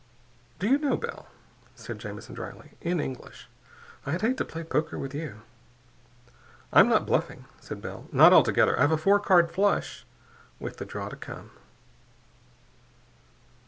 "Do you know, Bell," said Jamison dryly, in English, "I'd hate to play poker with you." "I'm not bluffing," said Bell. "Not altogether. I've a four card flush, with the draw to come."